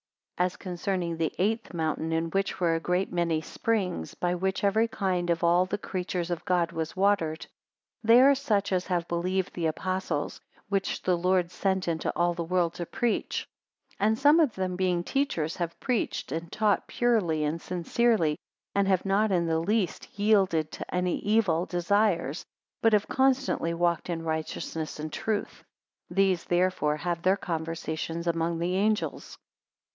215 As concerning the eighth mountain in which were a great many springs, by which every kind of all the creatures of God was watered; they are such as have believed the Apostles which the Lord sent into all the world to preach; 216 And some of them being teachers have preached and taught purely and sincerely, and have not in the least yielded to any evil, desires, but have constantly walked in righteousness and truth. 217 These therefore have their conversations among the angels.